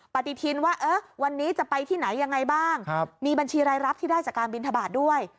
ปฏิทินว่าวันนี้จะไปที่ไหนยังไงบ้างมีบัญชีรายรับที่ได้จากการบินทบาทด้วย